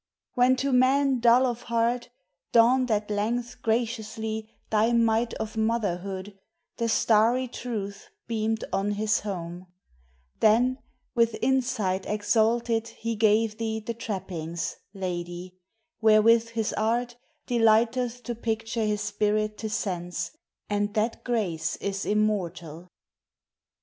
When to man dull of heart Dawn'd at length graciously Thy might of Motherhood The starry Truth beam'd on his home; Then with insight exalted he gave thee The trappings Lady wherewith his art Delighteth to picture his spirit to sense And that grace is immortal.